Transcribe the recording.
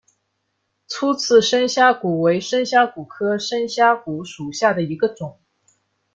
粗刺深虾蛄为深虾蛄科深虾蛄属下的一个种。